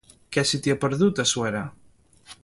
Què se t'hi ha perdut, a Suera?